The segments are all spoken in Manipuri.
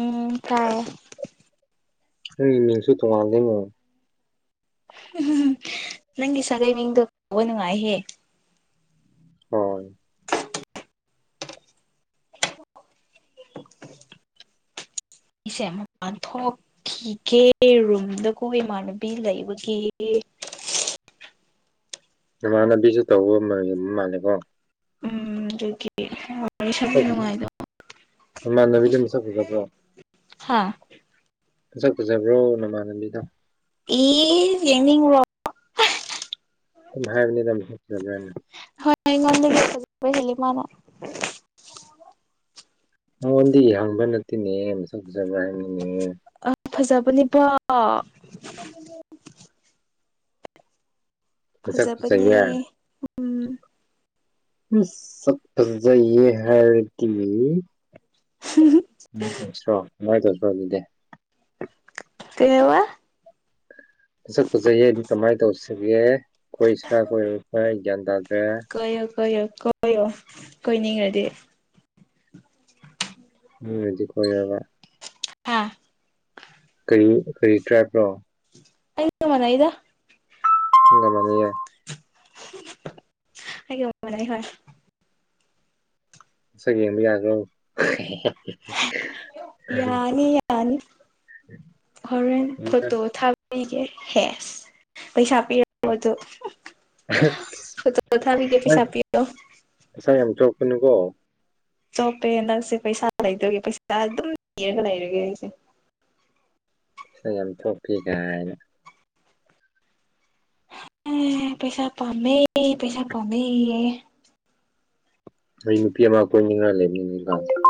ꯎꯝ ꯇꯥꯏꯌꯦ ꯅꯪꯒꯤ ꯃꯤꯡꯁꯨ ꯇꯣꯉꯥꯟꯗꯩ ꯃꯣ ꯅꯪꯒꯤ ꯁꯥꯒꯩ ꯃꯤꯡꯗ ꯀꯧꯕ ꯅꯨꯡꯉꯥꯏꯍꯦ ꯍꯣꯏ ꯏꯁꯦ ꯃꯄꯥꯟꯊꯣꯛ꯫ ꯀꯤꯒꯦ ꯔꯨꯝꯗ ꯀꯣ ꯏꯃꯥꯟꯅꯕꯤ ꯂꯩꯕꯒꯤ ꯅꯃꯥꯟꯅꯕꯤꯁꯨ ꯇꯧꯕ ꯃꯥꯟ ꯃꯥꯟꯂꯦꯀꯣ ꯎꯝ ꯑꯗꯨꯒꯤ ꯋꯥꯔꯤ ꯁꯕ ꯅꯨꯡꯉꯥꯏꯗꯣ ꯢꯃꯥꯟꯅꯕꯤꯗꯣ ꯃꯁꯛ ꯐꯖꯕ꯭ꯔꯣ ꯍꯥ ꯁꯛ ꯐꯖꯕ꯭ꯔꯣ ꯅꯃꯥꯟꯅꯕꯤꯗꯣ ꯏ ꯌꯦꯡꯅꯤꯡꯔꯣ ꯁꯨꯝ ꯍꯥꯏꯕꯅꯤꯗ ꯃꯁꯛ ꯐꯖꯕ꯭ꯔ ꯍꯣꯏ ꯑꯩꯉꯣꯟꯗꯒꯤ ꯐꯖꯕ ꯍꯦꯜꯂꯦ ꯃꯥꯅ ꯅꯉꯣꯟꯗꯤ ꯌꯥꯡꯕ ꯅꯠꯇꯦꯅꯦ ꯃꯁꯛꯐꯖꯕ꯭ꯔ ꯍꯥꯏ ꯑ ꯐꯖꯕꯅꯤ ꯄꯣ ꯃꯁꯛ ꯐꯖꯕꯅꯦ ꯐꯖꯩꯌꯦ ꯎꯝ ꯑꯁ ꯁꯛ ꯐꯖꯩꯌꯦ ꯍꯥꯏꯔꯗꯤ ꯎꯝ ꯁ꯭ꯔꯣ [unintelligible] ꯀꯩꯋꯥ ꯐꯁꯛ ꯐꯖꯩꯌꯦ ꯑꯗꯨ ꯀꯃꯥꯏ ꯇꯧꯁꯤꯒꯦ ꯀꯣꯏꯁꯤꯔꯥ ꯀꯣꯏꯔꯣꯏ ꯒ꯭ꯌꯥꯟ ꯇꯥꯗ꯭ꯔꯦ ꯀꯣꯏꯌꯣ ꯀꯣꯏꯌꯣ ꯀꯣꯏꯌꯣ ꯀꯣꯏꯅꯤꯡꯔꯗꯤ ꯃꯤꯅꯗꯤ ꯀꯣꯏꯔꯕ ꯍꯥꯥ ꯀꯔꯤ ꯀꯔꯤ ꯇ꯭ꯔꯥꯏꯞꯔꯣ ꯑꯩꯒ ꯃꯥꯅꯩꯗ꯫ [unintelligible] ꯃꯅꯩꯌꯦ ꯑꯩꯒ ꯃꯅꯩ ꯍꯣꯏ ꯁꯛ ꯌꯦꯡꯕ ꯌꯥꯒ꯭ꯔꯣ ꯌꯥꯅꯤ ꯌꯥꯅꯤ ꯍꯣꯔꯦꯟ ꯐꯣꯇꯣ ꯊꯥꯕ ꯄꯤꯒꯦ ꯍꯦꯁ ꯄꯩꯁꯥ ꯄꯤꯔ ꯕꯣꯗꯣ ꯐꯣꯇꯣ ꯊꯥꯕꯤꯒꯦ ꯄꯩꯁꯥ ꯄꯤꯌꯣ ꯄꯩꯁꯥ ꯌꯥꯝ ꯆꯣꯞꯀꯅꯨꯀꯣ ꯆꯣꯞꯄꯦ ꯅꯪꯁꯦ ꯄꯩꯁꯥ ꯂꯩꯗꯣꯏꯒꯦ ꯄꯩꯁꯥ ꯑꯗꯨꯝ ꯂꯤꯔꯒ ꯂꯩꯔꯒꯦ ꯑꯩꯁꯦ ꯄꯩꯁꯥ ꯌꯥꯝ ꯊꯣꯛ ꯄꯤ ꯒꯥꯏꯅ ꯑꯝ ꯄꯩꯁꯥ ꯄꯥꯝꯃꯦ ꯄꯩꯁꯥ ꯄꯥꯝꯃꯦ ꯑꯩ ꯅꯨꯄꯤ ꯑꯃ ꯀꯣꯏꯅꯤꯡ ꯂꯩꯕꯅꯤ [unintelligible]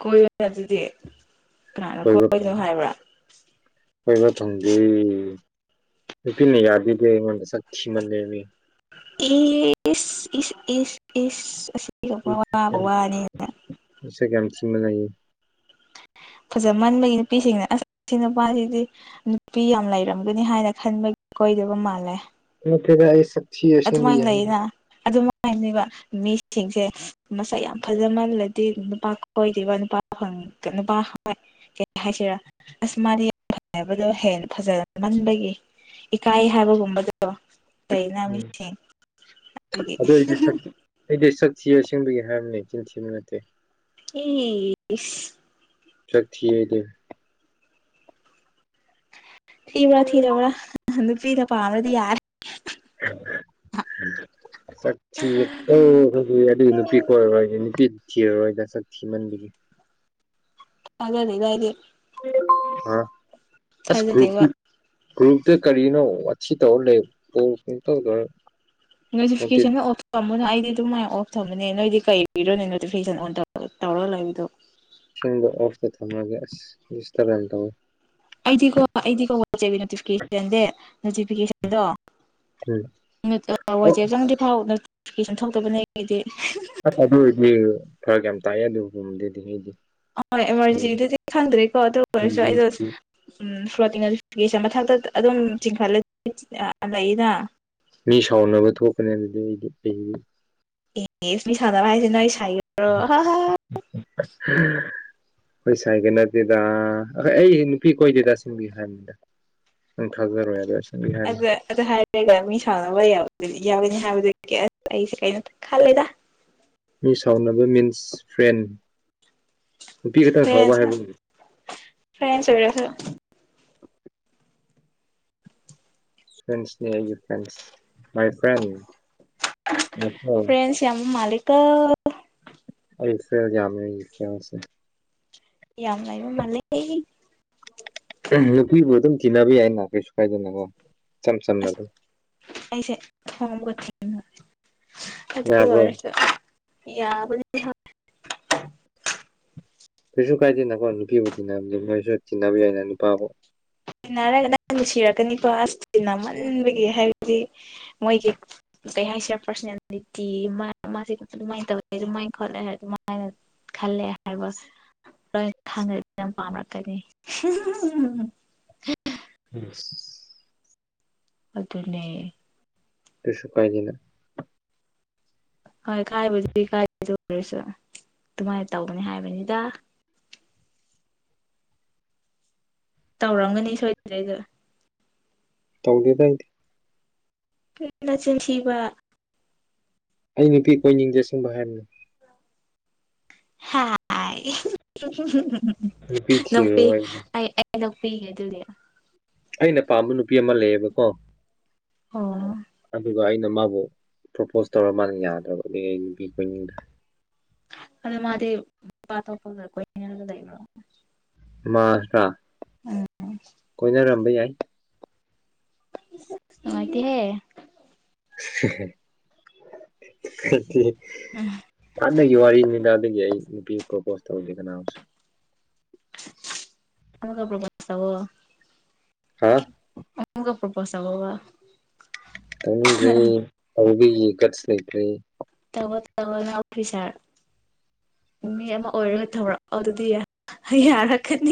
ꯀꯣꯏꯌꯣꯅ ꯑꯗꯨꯗꯤ ꯀꯅꯥꯅ ꯀꯣꯏꯕ ꯀꯣꯏꯅꯣ ꯍꯥꯏꯕ꯭ꯔꯥ ꯀꯣꯏꯕ ꯐꯪꯗꯦ ꯅꯨꯄꯤꯅ ꯌꯥꯕꯤꯗꯦ ꯑꯩꯉꯣꯟꯗ ꯁꯛ ꯊꯤꯃꯜꯂꯦꯅ ꯏꯁ ꯏꯁ ꯏꯁ ꯏꯁ ꯑꯁꯤ ꯋꯥꯕꯨ ꯋꯥꯅꯤꯅ ꯏꯁꯛ ꯌꯝ ꯊꯤꯃꯟꯂꯦꯌꯦ ꯐꯖꯃꯟꯕꯒꯤ ꯅꯨꯄꯤꯁꯤꯡꯅ ꯑꯁꯤ ꯅꯨꯄꯥꯁꯤꯗꯤ ꯅꯨꯄꯤ ꯌꯥꯝ ꯂꯩꯔꯝꯒꯅꯤ ꯍꯥꯏꯅ ꯈꯟꯕꯒꯤ ꯀꯣꯏꯗꯕ ꯃꯥꯜꯂꯦ [unintelligible] ꯊꯤꯗ ꯑꯩꯁꯨ ꯑꯗꯨꯃꯥꯏꯅ ꯂꯩꯌꯦꯅ ꯑꯗꯨꯃꯥꯏꯅꯦꯕ ꯃꯤꯁꯤꯡꯁꯦ ꯃꯁꯛ ꯌꯥꯝ ꯐꯖꯃꯜꯂꯗꯤ ꯅꯨꯄꯥ ꯀꯣꯏꯗꯦꯕ ꯅꯨꯄꯥ ꯐꯪ ꯅꯨꯄꯥ ꯀꯩ ꯍꯥꯏꯁꯤꯔ ꯑꯁ ꯃꯥꯗꯤ ꯌꯥꯝ ꯐꯖꯕꯗꯣ ꯍꯦꯟꯅ ꯐꯖ ꯃꯟꯕꯒꯤ ꯏꯀꯥꯏ ꯍꯥꯏꯕꯒꯨꯝꯕꯗꯣ ꯂꯩꯩꯅ ꯎꯝ ꯃꯤꯁꯤꯡ ꯑꯗꯨꯗꯒꯤ ꯑꯗꯨ ꯑꯩꯗꯤ ꯁꯛ ꯑꯩꯗꯤ ꯁꯛ ꯊꯤ ꯑꯁꯦꯡꯕꯒꯤ ꯍꯥꯏꯕꯅꯦ ꯆꯤꯟ ꯊꯤꯕ ꯅꯠꯇꯦ ꯏꯁ ꯁꯛ ꯊꯤ ꯑꯩꯗꯤ ꯊꯤꯕꯔꯥ ꯊꯤꯗꯕꯔꯥ ꯅꯨꯄꯤꯅ ꯄꯥꯝꯔꯗꯤ ꯌꯥꯔꯦ ꯁꯛ ꯊꯤ ꯑꯣ ꯍꯣꯏ ꯑꯗꯨꯗꯤ ꯅꯨꯄꯤ ꯀꯣꯏꯔꯔꯣꯏ ꯅꯨꯄꯤ ꯊꯤꯔꯔꯣꯏꯗ ꯁꯛ ꯊꯤꯃꯟꯕꯒꯤ ꯊꯖꯥꯗꯦꯗ ꯑꯩꯗꯤ ꯊꯥꯖꯗꯦꯕ [unintelligible] ꯒ꯭ꯔꯨꯞꯇ ꯀꯔꯤꯅꯣ ꯋꯥꯊꯤ ꯇꯧꯔ ꯂꯩ ꯁꯨꯡꯇꯧ ꯇꯧꯔꯣꯏ ꯅꯣꯇꯤꯐꯤꯀꯦꯁꯟ ꯇꯥꯃꯣꯅ ꯑꯩꯗꯤ ꯑꯗꯨꯃꯥꯏꯅ ꯑꯣꯐ ꯊꯝꯕꯅꯦ ꯅꯣꯏꯗꯤ ꯀꯩ ꯒꯤꯔꯣꯅꯦ ꯅꯣꯇꯤꯐꯤꯀꯦꯁꯟ ꯑꯣꯟ ꯇꯧꯔꯒ ꯂꯩꯕꯗꯣ ꯑꯁꯦꯡꯕ ꯑꯣꯐꯇ ꯊꯝꯃꯒꯦ ꯑꯁ ꯗꯤꯁꯇꯥꯞ ꯌꯥꯝ ꯇꯧꯋꯤ ꯑꯩꯗꯤꯀꯣ ꯑꯩꯗꯤꯀꯣ ꯋꯥꯆꯦ ꯅꯣꯇꯤꯐꯤꯀꯦꯁꯟ ꯗꯦ ꯅꯣꯇꯤꯐꯤꯀꯦꯁꯟꯗꯣ ꯎꯝ ꯑꯣ ꯋꯥꯆꯦꯞ ꯆꯪꯗꯔꯤ ꯐꯥꯎ ꯅꯣꯇꯤꯐꯤꯀꯦꯁꯟ ꯊꯣꯛꯇꯕꯅꯦ ꯑꯩꯒꯤꯗꯤ ꯑꯁ ꯑꯗꯨ ꯑꯣꯏꯔꯗꯤ ꯐꯔꯛ ꯌꯥꯝ ꯇꯥꯏ ꯑꯗꯨꯒꯨꯝꯗꯨꯗꯤ ꯑꯩꯗꯤ ꯑꯣꯏ ꯑꯦꯃꯥꯔꯖꯦꯟꯁꯤꯗꯗꯤ ꯈꯪꯗ꯭ꯔꯦꯀꯣ ꯑꯗꯨ ꯑꯣꯏꯔꯁꯨ ꯎꯝ ꯑꯩꯗꯣ ꯎꯝ ꯐ꯭ꯂꯣꯇꯦꯁꯟ ꯃꯊꯛꯇ ꯑꯗꯨꯝ ꯆꯤꯡꯈꯠꯂ ꯂꯩꯅ ꯃꯤ ꯁꯥꯎꯅꯕ ꯊꯣꯛꯀꯅꯤ ꯑꯗꯨꯗꯤ ꯑꯩꯗꯤ ꯑꯩꯗꯤ ꯑꯦ ꯃꯤ ꯁꯥꯎꯟꯕ ꯍꯥꯏꯁꯦ ꯅꯣꯏ ꯁꯥꯏꯒꯔꯣ [inaudible] ꯍꯣꯏ ꯁꯥꯏꯒ ꯅꯠꯇꯦꯗ ꯑꯈꯣꯏ ꯑꯩ ꯅꯨꯄꯤ ꯀꯣꯏꯗꯦ ꯗ ꯁꯤꯡꯕꯤꯌꯨ ꯍꯥꯏꯕꯅꯤꯗ ꯅꯪ ꯊꯥꯖꯔꯣꯏ ꯌꯥꯔꯦ [unintelligible] ꯑꯗꯨ ꯍꯥꯏꯔꯒ ꯃꯤ ꯁꯥꯎꯅꯕ ꯌꯥꯎꯅꯤ ꯍꯥꯏꯕꯗꯨ ꯑꯩꯁꯦ ꯀꯩꯅꯣ ꯈꯜꯂꯦꯗ ꯃꯤ ꯁꯥꯎꯅꯕ ꯃꯤꯟꯁ ꯐ꯭ꯔꯦꯟ ꯅꯨꯄꯤ ꯈꯛꯇꯪ ꯐ꯭ꯔꯦꯟ ꯁꯥꯎꯕ ꯍꯥꯏꯕ ꯐ꯭ꯔꯦꯟꯁ ꯑꯣꯏꯔꯁꯨ ꯐ꯭ꯔꯦꯟꯁꯒꯤ ꯐ꯭ꯔꯦꯟꯁ ꯃꯥꯏ ꯐ꯭ꯔꯦꯟ ꯌꯥꯝ ꯃꯥꯂꯤꯀꯣ ꯑꯩ ꯐ꯭ꯔꯦꯟꯁ ꯌꯥꯝꯃꯦ ꯑꯩꯒꯤ ꯐ꯭ꯔꯦꯟꯁꯦ ꯌꯥꯝ ꯂꯩꯕ ꯃꯥꯜꯂꯦꯍꯦ ꯅꯨꯄꯤꯕꯨ ꯑꯗꯨꯝ ꯊꯤꯅꯕ ꯌꯥꯏꯅ ꯀꯩꯁꯨ ꯀꯥꯏꯗꯅꯀꯣ ꯏꯆꯝ ꯆꯝꯅꯥ ꯑꯁ ꯑꯗꯨꯝ ꯑꯩꯁꯦ ꯑꯗꯨ ꯌꯥꯕ꯭ꯔꯣ ꯑꯣꯏꯔꯁꯨ ꯌꯥꯕꯅꯦ ꯀꯩꯁꯨ ꯀꯥꯏꯗꯦꯅꯀꯣ ꯅꯨꯄꯤꯕꯨ ꯇꯤꯟꯅꯕꯅꯤ ꯅꯣꯏꯁꯨ ꯇꯤꯟꯅꯕ ꯌꯥꯏꯅ ꯅꯨꯄꯥꯕꯨ ꯇꯤꯟꯅꯔꯒ ꯅꯪ ꯅꯨꯡꯁꯤꯔꯛꯀꯅꯤꯀꯣ ꯑꯁ ꯇꯤꯟꯅꯃꯟꯕꯒꯤ ꯍꯥꯏꯕꯗꯤ ꯃꯣꯏꯒꯤ ꯀꯩ ꯍꯥꯏꯁꯤꯔꯥ ꯄꯥꯔꯁꯅꯦꯂꯤꯇꯤ ꯃꯥ ꯃꯥꯁꯤ ꯑꯗꯨꯃꯥꯏꯅ ꯇꯧꯋꯦ ꯑꯗꯨꯃꯥꯏꯅ ꯈꯣꯠꯂꯦ ꯍꯥꯏ ꯑꯗꯨꯃꯥꯏꯅ ꯈꯜꯂꯦ ꯍꯥꯏꯕ ꯂꯣꯏ ꯈꯪꯉꯗꯤ ꯌꯥꯝ ꯄꯥꯝꯔꯛꯀꯅꯤ [unintelligible] [inaudible] ꯑꯗꯨꯅꯦ꯫ ꯀꯩꯁꯨ ꯀꯥꯏꯗꯦ ꯍꯣꯏ ꯀꯥꯏꯕꯗꯨ ꯀꯥꯏꯕꯗ ꯑꯣꯏꯔꯁꯨ ꯑꯗꯨꯃꯥꯏꯅ ꯇꯧꯕꯅꯤ ꯍꯥꯏꯕꯅꯤꯗ ꯇꯧꯔꯝꯒꯅꯤ ꯁꯣꯏꯗꯔ꯭ꯦꯗ ꯇꯧꯗꯦꯗ ꯀꯔꯤꯒꯤ ꯅꯥꯆꯤꯟꯊꯤꯕ ꯑꯩ ꯅꯨꯄꯤ ꯀꯣꯏꯅꯤꯡꯗꯦ ꯁꯦꯡꯕ ꯍꯥꯏꯕꯅꯤ [unintelligible] ꯅꯨꯄꯤ ꯊꯤꯔꯣꯏ ꯑꯩꯗꯤ. ꯑꯩ ꯂꯧꯕꯤꯒꯦ ꯑꯗꯨꯗꯤ ꯑꯩꯅ ꯄꯥꯝꯕ ꯅꯨꯄꯤ ꯑꯃ ꯂꯩꯌꯦꯕꯀꯣ꯫ ꯑꯣ꯫ ꯑꯗꯨꯒ ꯑꯩꯅ ꯃꯥꯕꯨ ꯄ꯭ꯔꯣꯄꯣꯁ ꯇꯧꯔ ꯃꯥꯅ ꯌꯥꯗ꯭ꯔꯕꯅꯦ ꯑꯩ ꯅꯨꯄꯤ ꯀꯣꯏꯅꯤꯡꯗ꯭ꯔꯦ ꯑꯗ ꯃꯥꯗꯤ ꯄꯥ ꯊꯣꯛꯄꯒ ꯀꯣꯢꯅꯔꯒ ꯂꯩꯕꯣ ꯃꯥꯁꯔꯥ ꯀꯣꯏꯅꯔꯝꯕ ꯌꯥꯏ꯫ ꯅꯨꯉꯥꯏꯇꯦꯍꯦ [unintelligible] ꯍꯥꯟꯅꯒꯤ ꯋꯥꯔꯤꯅꯤꯗꯥ ꯑꯗꯨꯒꯤ ꯑꯩ ꯅꯨꯄꯤ ꯄ꯭ꯔꯣꯄꯣꯁ ꯇꯧꯗꯦꯗꯅꯥ [unintelligible] ꯒ ꯄꯔ꯭ꯣꯄꯣꯁ ꯍꯥ ꯇꯧꯍꯧꯋ ꯈꯪꯗ꯭ꯔꯦ ꯒꯁ ꯂꯩꯇ꯭ꯔꯦ꯫ [unintelligible] ꯃꯤ ꯑꯃ ꯑꯣꯏꯔꯒ ꯊꯧꯔꯛꯑꯣ ꯑꯗꯨꯗꯤ ꯍ ꯌꯥꯔꯛꯀꯅꯤ꯫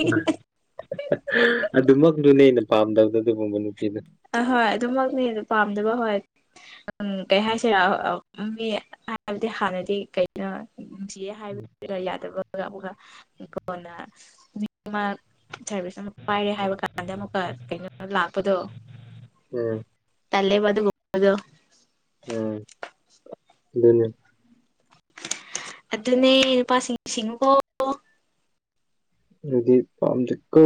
ꯑꯗꯨꯃꯛꯗꯨꯅꯦ ꯑꯩꯅ ꯄꯥꯝꯗꯕꯗꯨ ꯑꯗꯨꯒꯨꯝꯕ ꯅꯨꯄꯤꯗꯨ ꯑꯍꯣꯏ ꯑꯗꯨꯃꯛꯅꯦ ꯑꯗꯨ ꯄꯥꯝꯗꯕ ꯍꯣꯏ꯫ ꯎꯝ ꯀꯩ ꯍꯥꯏꯁꯤꯔ ꯃꯤ ꯍꯥꯏꯕꯗꯤ ꯍꯥꯟꯅꯗꯤ ꯀꯩ ꯅꯨꯡꯁꯤꯌꯦ ꯍꯥꯏꯕ ꯌꯥꯗꯕꯒ ꯑꯃꯨꯀꯥ ꯀꯣꯟꯅ ꯃꯤ ꯑꯃ ꯁꯥꯔꯚꯤꯁ ꯑꯃ ꯄꯥꯏꯔꯦ ꯍꯥꯏꯕ ꯀꯥꯟꯗ ꯑꯃꯨꯛꯀ ꯀꯩꯅꯣ ꯂꯥꯛꯄꯗꯣ꯫ ꯎꯝ ꯇꯂꯦꯕ ꯑꯗꯨꯒꯨꯝꯕꯗꯣ꯫ ꯎꯝ ꯑꯗꯨꯅꯤ ꯑꯗꯨꯅꯦ ꯅꯨꯄꯥꯁꯤꯡ ꯁꯤꯡꯉꯣ ꯑꯗꯨꯗꯤ ꯄꯥꯃꯗꯦꯀꯣ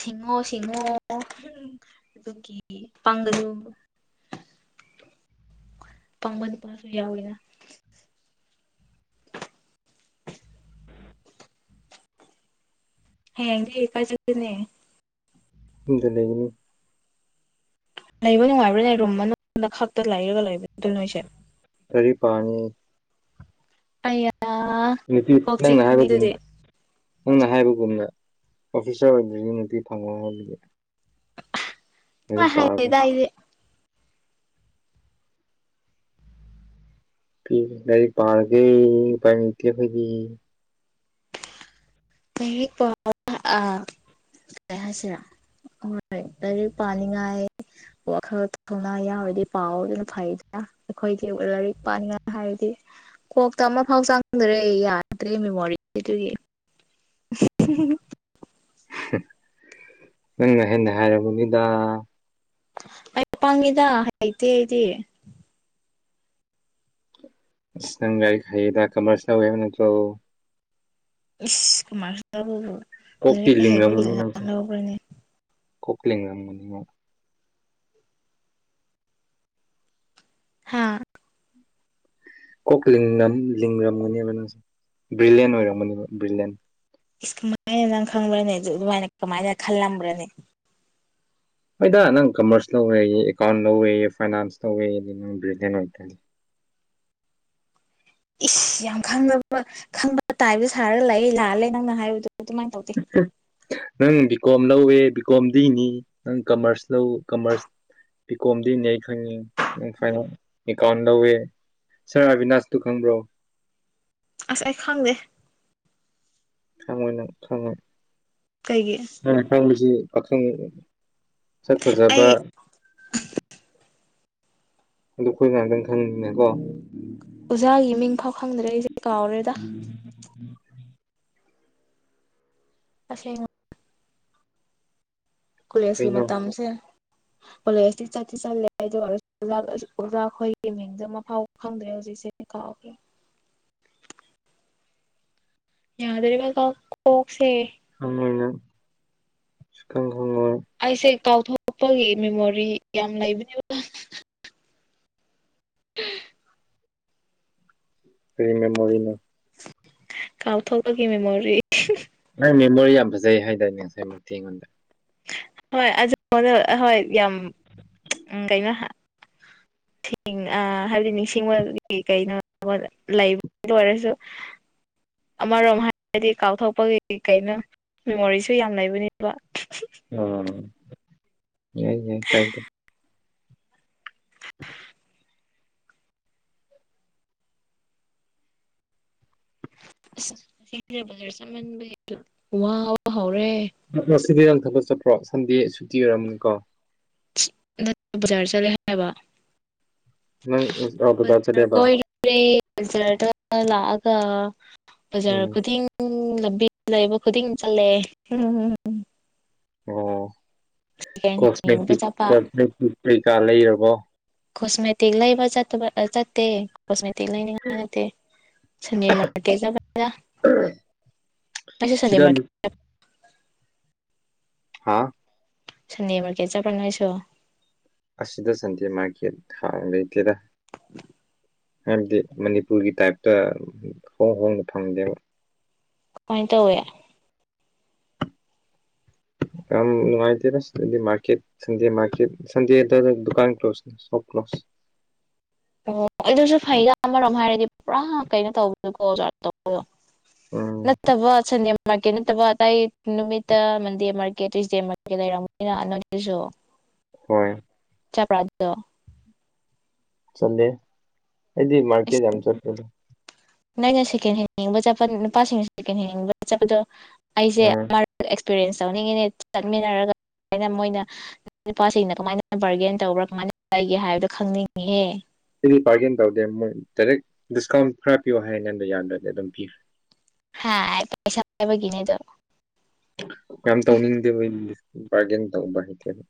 ꯁꯤꯡꯉꯣ ꯁꯤꯡꯉꯣ ꯑꯗꯨꯒꯤ ꯄꯪꯡꯒꯅꯨ ꯄꯪꯃꯟꯕꯥꯁꯨ ꯌꯥꯎꯋꯤꯅ ꯍꯌꯦꯡꯗꯤ ꯀꯥꯢ ꯆꯠꯀꯅꯤ꯫ ꯗ ꯂꯩꯒꯅꯤ꯫ ꯂꯩꯕ ꯅꯨꯡꯉꯥꯏꯕ꯭ꯔꯥꯅꯦ ꯔꯨꯝ ꯃꯅꯨꯡꯗ ꯈꯛꯇ ꯂꯩꯔꯒ ꯂꯩꯕꯅꯤ ꯑꯗꯨ ꯅꯣꯢꯁꯨ ꯀꯥꯔꯤ ꯄꯥꯅꯤ [unintelligible] ꯅꯨꯄꯤ ꯀꯣꯛ ꯅꯪꯅ ꯆꯤꯛꯅꯤ ꯍꯥꯢꯕꯒꯤꯅꯤ꯫ ꯑꯗꯨꯗꯤ ꯅꯪꯅ ꯍꯥꯏꯕꯒꯨꯃꯅ [unintelligible] ꯗꯨꯃꯥꯏ ꯄꯥꯔꯒꯦ ꯍꯥꯏꯗꯦꯗ ꯑꯩꯗꯤ ꯄꯤꯕꯥ ꯈꯔꯁꯦ ꯄꯥꯔꯒꯦ ꯎꯄꯥꯏ ꯂꯩꯇꯦ ꯈꯣꯏꯗꯤ ꯂꯥꯏꯔꯤꯛ ꯄꯥꯎ ꯑꯥ ꯀꯔꯤ ꯍꯥꯏꯁꯤꯔꯥ ꯍꯣꯏ ꯂꯥꯏꯔꯤꯛ ꯄꯥꯅꯤꯉꯥꯏ ꯋꯥꯈꯜ ꯊꯧꯅꯥ ꯌꯥꯎꯔꯗꯤ ꯄꯥꯎ ꯑꯗꯨꯅ ꯐꯩꯗꯅ ꯑꯩꯈꯣꯏꯒꯤ ꯂꯥꯏꯔꯤꯛ ꯄꯥꯅꯤꯡꯉꯥꯏ ꯍꯥꯏꯔꯗꯤ ꯀꯣꯛꯇ ꯑꯃꯐꯥꯎ ꯆꯪꯗ꯭ꯔꯦ ꯌꯥꯗ꯭ꯔꯦ ꯃꯦꯃꯣꯔꯤꯗꯨꯒꯤ [unintelligible] ꯅꯪꯅ ꯍꯦꯟꯅ ꯍꯩꯔꯝꯒꯅꯤꯗ ꯑꯩ ꯄꯪꯉꯤꯗ ꯍꯥꯏꯇꯦ ꯑꯩꯗꯤ꯫ ꯑꯁ ꯅꯪ ꯂꯥꯏꯔꯤꯛ ꯍꯩꯌꯦꯗ ꯀꯃꯥꯔꯁ ꯂꯧꯋꯦ ꯍꯥꯏꯕ ꯅꯠꯇ꯭ꯔꯣ꯫ ꯏꯁ ꯀꯨꯃꯥꯔꯂꯥꯎꯕꯕꯨ ꯀꯣꯛꯇꯤ [unintelligible] ꯀꯣꯛꯂꯤ ꯔꯝꯃꯅꯤ ꯍꯥꯥ ꯀꯣꯛ ꯂꯤꯡꯂꯝ ꯂꯤꯡꯔꯝꯒꯅꯦꯕ ꯅꯪꯁꯦ ꯕ꯭ꯔꯤꯂꯤꯌꯦꯟ ꯑꯣꯏꯔꯝꯒꯅꯦꯕ ꯕ꯭ꯔꯤꯂꯦꯟ ꯏꯁ ꯀꯃꯥꯏꯅ ꯅꯪ ꯈꯪꯕ꯭ꯔꯅꯦ ꯑꯗꯨ ꯑꯗꯨꯃꯥꯏꯅ ꯀꯃꯥꯏꯅ ꯈꯜꯂꯝꯕ꯭ꯔꯅꯦ꯫ ꯍꯣꯏꯗ ꯅꯪ ꯀꯃꯔꯁ ꯂꯧꯔꯦꯌꯦ ꯑꯦꯀꯥꯎꯟ ꯂꯧꯔꯦꯌꯦ ꯐꯥꯏꯅꯥꯟꯁ ꯂꯧꯔꯦꯌꯦ ꯅꯪ ꯕ꯭ꯔꯤꯂꯦꯟꯠ ꯑꯣꯏ ꯏꯁ ꯌꯥꯝ ꯈꯪꯅꯕ ꯈꯪꯕ ꯇꯥꯏꯕꯗ ꯁꯥꯔꯒ ꯂꯥꯜꯂꯦ ꯅꯪꯅ ꯍꯥꯏꯕꯗꯣ ꯑꯗꯨꯃꯥꯏꯅ ꯇꯧꯗꯦ [unintelligible] ꯅꯪ ꯕꯤ ꯀꯣꯝ ꯂꯧꯋꯦ ꯕꯤ ꯀꯣꯝꯗꯤꯅꯤ ꯅꯪ ꯀꯃꯔꯁ ꯂꯧ ꯀꯃꯔꯁ ꯄꯤ ꯀꯣꯝꯗꯤꯅꯦ ꯑꯩꯈꯩꯉꯦ ꯑ ꯀꯩꯅꯣ ꯑꯦꯀꯥꯎꯟ ꯂꯧꯋꯦ꯫ ꯁꯥꯔ ꯑꯕꯤꯅꯥꯁꯇꯨ ꯈꯪꯕ꯭ꯔꯣ꯫ ꯑꯁ ꯑꯩ ꯈꯪꯗꯦ ꯈꯪꯉꯣꯢ ꯅꯪ ꯈꯪꯉꯣꯏ꯫ ꯀꯩꯒꯤ ꯅꯪꯅ ꯈꯪꯕꯁꯤ ꯄꯥꯈꯡꯕ ꯁꯛ ꯑꯩ ꯐꯖꯕ ꯑꯗꯨ ꯑꯩꯈꯣꯏ ꯉꯥꯛꯇꯪ ꯈꯪꯅꯤꯡꯅ ꯀꯣ꯫ ꯑꯣꯖꯥꯒꯤ ꯃꯤꯡ ꯐꯥꯎ ꯈꯪꯗ꯭ꯔꯦ ꯑꯩꯁꯦ ꯀꯥꯎꯔꯦꯗ ꯑꯁꯦꯡꯕ ꯀꯨꯂꯦꯁꯀꯤ ꯀꯩꯅꯣ ꯃꯇꯝꯁꯦ꯫ [unintelligible] ꯀꯣꯂꯦꯖꯇꯤ ꯆꯠꯇꯤ ꯆꯠꯂꯦ ꯑꯗꯨ ꯑꯣꯏꯔꯁꯨ ꯑꯣꯖꯥ ꯈꯣꯏꯒꯤ ꯃꯤꯡꯗꯨ ꯑꯃꯥꯐꯥꯎ ꯈꯪꯗ꯭ꯔꯦ ꯍꯧꯖꯤꯛꯁꯦ ꯀꯥꯎꯈ꯭ꯔꯦ ꯌꯥꯈꯔꯕ ꯀꯣ ꯀꯣꯛꯁꯦ ꯈꯪꯉꯣꯏ ꯅꯪ ꯁꯨꯈꯪ ꯈꯪꯉꯣꯢ꯫ ꯑꯩꯁꯦ ꯀꯥꯎꯊꯣꯛꯄꯒꯤ ꯃꯦꯃꯣꯔꯤ ꯌꯥꯝ ꯂꯩꯕꯅꯦꯕ꯫ [inaudible] ꯀꯩ ꯃꯦꯃꯣꯔꯤꯅꯣ ꯀꯥꯎꯊꯣꯛꯄꯒꯤ ꯃꯦꯃꯣꯔꯤ꯫ ꯅꯪ ꯃꯦꯃꯣꯔꯤ ꯌꯥꯝ ꯐꯖꯩ ꯍꯥꯏꯗꯥꯏꯅꯦ ꯉꯁꯥꯏꯃꯨꯛꯇꯤ ꯑꯩꯉꯣꯡꯗ ꯍꯣꯏ ꯑꯗꯨ [unintelligible] ꯍꯣꯏ ꯌꯥꯝ ꯎꯝ ꯀꯩꯅꯣ ꯍꯥ ꯑ ꯍꯥꯏꯕꯗꯤ ꯅꯤꯡꯁꯤꯡꯕꯒꯤ ꯀꯩꯅꯣ ꯂꯩꯕꯗ ꯑꯣꯏꯔꯁꯨ [unintelligible] ꯑꯃꯔꯣꯝ ꯍꯥꯏꯔꯗꯤ ꯀꯥꯎꯊꯣꯛꯄꯒꯤ ꯀꯩꯅꯣ ꯃꯦꯃꯣꯔꯤꯁꯨ ꯌꯥꯝ ꯂꯩꯕꯅꯦꯕ꯫ [unintelligible] ꯎꯝ ꯌꯥꯏ ꯌꯥꯏ ꯀꯥꯏꯗꯦ ꯑꯁ ꯍꯧꯖꯤꯛꯁꯦ ꯕꯖꯥꯔ ꯆꯠꯃꯟꯕꯒꯤ ꯋꯥꯕ ꯍꯧꯔꯦ ꯉꯥꯁꯤꯗ ꯅꯪ ꯊꯕꯛ ꯆꯠꯄ꯭ꯔꯣ ꯁꯟꯗꯦ ꯁꯨꯇꯤ ꯑꯣꯏꯔꯝꯒꯥꯅꯤꯀꯣ ꯅꯠ ꯕꯖꯥꯔ ꯆꯠꯂꯦ ꯍꯥꯏꯕ ꯅꯪ ꯑꯥ ꯕꯖꯥꯔ ꯆꯠꯂꯦꯕꯥ [unintelligible] ꯕꯖꯥꯔꯗ ꯂꯥꯛꯑꯒ ꯕꯖꯥꯔ ꯎꯝ ꯈꯨꯗꯤꯡ ꯎꯝ ꯂꯝꯕꯤ ꯂꯩꯕ ꯈꯨꯗꯤꯡ ꯆꯠꯂꯦ [unintelligible] ꯑꯣ ꯁꯦꯀꯦꯟ ꯍꯦꯟ ꯌꯦꯡꯕ ꯀꯣꯁꯃꯦꯇꯤꯛ ꯆꯠꯄ ꯀꯣꯁꯃꯦꯇꯤꯛ ꯀꯩꯀꯥ ꯂꯩꯔꯕꯣ ꯀꯣꯁꯃꯦꯇꯤꯛ ꯂꯩꯕ ꯆꯠꯇꯕ ꯆꯠꯇꯦ ꯀꯁꯃꯦꯇꯤꯛ ꯂꯩꯅꯤꯡꯉꯥꯏ ꯅꯠꯇꯦ ꯁꯟꯗꯦ ꯃꯔꯀꯦꯗ ꯆꯠꯄꯅꯤꯗ ꯅꯪꯁꯨ ꯁꯟꯗꯦ ꯁꯤꯗ ꯃꯔꯀꯦꯠ ꯂꯨ- ꯍꯥꯥ ꯁꯟꯗꯦ ꯃꯥꯔꯀꯦꯠ ꯆꯠꯄ꯭ꯔ ꯅꯣꯏꯁꯨ ꯑꯁꯤꯗ ꯁꯟꯗꯦ ꯃꯥꯔꯀꯦꯠ ꯍꯥꯡ ꯂꯩꯇꯦꯗ [unintelligible] ꯍꯥꯏꯕꯗꯤ ꯃꯅꯤꯄꯨꯔꯒꯤ ꯇꯥꯏꯞꯇ ꯍꯣꯡ ꯍꯣꯡꯅ ꯐꯪꯗꯦꯕ ꯀꯃꯥꯏꯟ ꯇꯧꯋꯤ ꯌꯥꯝ ꯅꯨꯡꯉꯥꯏꯇꯦꯗ ꯁꯤꯗꯗꯤ ꯃꯥꯔꯀꯦꯠ ꯁꯟꯗꯦ ꯃꯥꯔꯀꯦꯠ ꯁꯟꯗꯦꯗꯅ ꯗꯨꯀꯥꯟ ꯀ꯭ꯂꯣꯁꯅꯤ ꯁꯣ ꯀ꯭ꯂꯣꯁ ꯑꯣ ꯑꯗꯨꯁꯨ ꯐꯩꯗ ꯑꯃꯔꯣꯝ ꯍꯥꯏꯔꯗꯤ ꯄꯨꯔꯥ ꯀꯩꯅꯣ ꯇꯧꯕꯗꯨꯀꯣ ꯖꯥ ꯇꯧꯕꯗꯣ ꯎꯝ ꯅꯠꯇꯕ ꯁꯟꯗꯦ ꯃꯥꯔꯀꯦꯠ ꯅꯠꯇꯕ ꯑꯇꯩ ꯅꯨꯃꯤꯠꯇ ꯃꯟꯗꯦ ꯃꯥꯔꯀꯦꯠ ꯇ꯭ꯋꯤꯏꯁꯗꯦ ꯃꯥꯔꯀꯦꯠ ꯂꯩꯔꯝ ꯅꯤꯅ ꯅꯣꯏꯗꯨꯁꯨ ꯍꯣꯏ ꯆꯠꯄ꯭ꯔꯥ ꯑꯗꯨꯗꯣ ꯁꯝꯗꯦ ꯑꯩꯗꯤ ꯑꯁ ꯃꯥꯔꯀꯦꯠ ꯌꯥꯝ ꯆꯠꯄꯗꯣ ꯅꯣꯏꯅ ꯁꯦꯀꯦꯟ ꯍꯦꯟ ꯌꯦꯡꯕ ꯆꯠꯄ ꯅꯨꯄꯥꯁꯤꯡꯅ ꯁꯦꯀꯦꯟ ꯍꯦꯟ ꯌꯦꯡꯕ ꯆꯠꯄꯗꯣ ꯑꯩꯁꯦ ꯎꯝ ꯃꯥꯔ ꯑꯦꯛꯁꯄꯤꯔꯤꯌꯦꯟꯁ ꯇꯧꯅꯤꯡꯉꯤꯅꯦ ꯆꯠꯃꯤꯟꯅꯔꯒ ꯑꯗꯨꯃꯥꯏꯅ ꯃꯣꯏꯅ ꯅꯨꯄꯤ ꯅꯨꯄꯥꯁꯤꯡꯅ ꯀꯃꯥꯏꯅ ꯕꯥꯔꯒꯦꯟ ꯇꯧꯕ꯭ꯔꯥ ꯀꯃꯥꯏꯅ ꯂꯩꯒꯦ ꯍꯥꯏꯕꯗꯣ ꯈꯪꯅꯤꯡꯉꯤꯍꯦ ꯁꯤꯗꯤ ꯕꯥꯔꯒꯦꯟ ꯇꯧꯗꯦ ꯃꯣꯏ ꯗꯥꯏꯔꯦꯛ ꯗꯤꯁꯀꯥꯎꯟ ꯈꯔ ꯄꯤꯌꯣ ꯍꯥꯏ ꯅꯪꯗ ꯌꯥꯗ꯭ꯔꯗꯤ ꯑꯗꯨꯝ ꯄꯤꯈ꯭ꯔꯦ ꯍꯥꯏ ꯄꯩꯁꯥ ꯄꯥꯏꯕꯒꯤꯅꯦ ꯑꯗꯣ ꯌꯥꯝ ꯇꯧꯅꯤꯡꯗꯦꯕ ꯑꯩꯗꯤ ꯕꯥꯔꯒꯦꯟ ꯇꯧꯕ ꯍꯩꯇꯦꯕ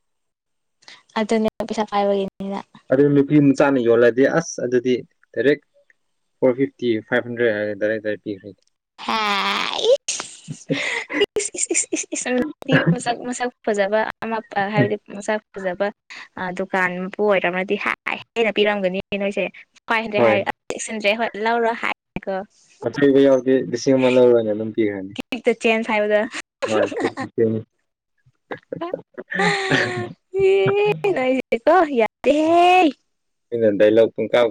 ꯑꯗꯨꯅꯦ ꯅꯪ ꯄꯩꯁꯥ ꯄꯥꯏꯕꯒꯤꯅꯤꯅ ꯑꯗꯨ ꯅꯨꯄꯤ ꯃꯆꯥꯅ ꯌꯣꯜꯂꯗꯤ ꯑꯁ ꯑꯗꯨꯗꯤ direct four fifty five hundred ꯍꯥꯏꯔꯦ ꯗꯥꯏꯔꯦꯛ ꯗꯥꯏꯔꯦꯛ ꯄꯤꯈ꯭ꯔꯦ ꯍꯥꯏ ꯏꯁ ꯏꯁ ꯏꯁ ꯏꯁ ꯏꯁ ꯅꯪ ꯅꯨꯄꯤ ꯃꯁꯛ ꯃꯁꯛ ꯐꯖꯕ ꯑꯃ ꯄ ꯍꯥꯏꯕꯗꯤ ꯃꯁꯛ ꯐꯖꯕ ꯑꯥ ꯗꯨꯀꯥꯟ ꯃꯄꯨ ꯑꯣꯏꯔꯝꯔꯗꯤ ꯍꯥꯏ ꯍꯦꯟꯅ ꯄꯤꯔꯝꯒꯅꯤꯅꯦ ꯅꯣꯏꯁꯦ ꯐꯥꯏ ꯍꯟꯗ꯭ꯔꯦꯠ ꯍꯣꯏ ꯍꯥꯏ ꯆꯦꯛꯁꯤꯟꯗ꯭ꯔꯦ ꯍꯣꯏ ꯂꯧꯔꯣ ꯍꯥꯏ ꯀꯣ ꯑꯆꯣꯏꯕ ꯌꯥꯎꯗꯦ ꯂꯤꯁꯤꯡ ꯑꯃ ꯂꯧꯔ ꯍꯥꯏꯅ ꯑꯗꯨꯝ ꯄꯤꯈ꯭ꯔꯅꯤ ꯀꯤꯛꯇ ꯆꯦꯟꯖ ꯍꯥꯏꯕꯗ ꯃꯥ [unintelligible] ꯗꯦꯀꯣ ꯌꯥꯗꯦꯍꯦ ꯑꯩꯅ ꯗꯥꯏꯂꯣꯛ ꯄꯨꯡꯀꯥꯎ